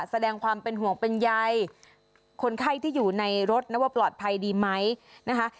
แสดงความเป็นห่วงเป็นใยคนไข้ที่อยู่ในรถนะว่าปลอดภัยดีไหมนะคะ